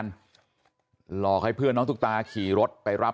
น้าสาวของน้าผู้ต้องหาเป็นยังไงไปดูนะครับ